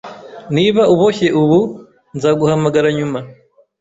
Niba uboshye ubu, nzaguhamagara nyuma.